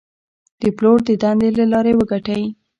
د پلور د دندې له لارې وګټئ.